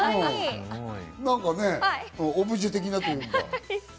オブジェ的なというか。